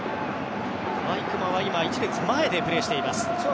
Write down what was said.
毎熊は今１列前でプレーしています。